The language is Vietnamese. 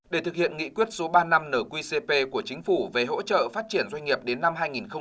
để thực hiện nghị quyết số ba năm nở quy cp của chính phủ về hỗ trợ phát triển doanh nghiệp đến năm hai nghìn hai mươi